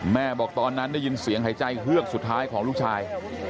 แม่บอกตอนนั้นได้ยินเสียงหายใจเฮือกสุดท้ายของลูกชาย